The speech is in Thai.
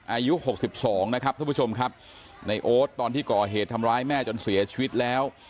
อายุหกสิบสองนะครับท่านผู้ชมครับในโอ๊ตตอนที่ก่อเหตุทำร้ายแม่จนเสียชีวิตแล้ว